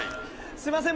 すいません！